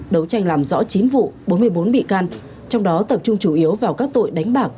đấu tranh làm rõ chín vụ bốn mươi bốn bị can trong đó tập trung chủ yếu vào các tội đánh bạc